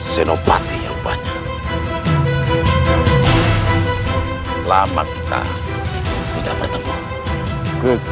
senopati yang banyak